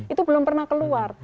itu belum pernah keluar